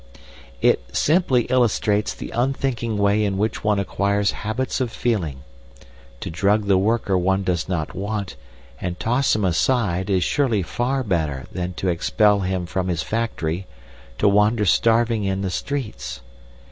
"It simply illustrates the unthinking way in which one acquires habits of feeling. To drug the worker one does not want and toss him aside is surely far better than to expel him from his factory to wander starving in the streets.